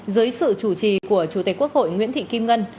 dưới sự chủ trì của chủ tịch quốc hội nguyễn thị kim ngân